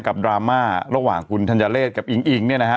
กับดราม่าระหว่างอทัณยาเลชกับอิงเนี่ยนะฮะ